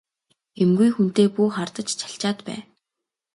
Гэмгүй хүнтэй бүү хардаж чалчаад бай!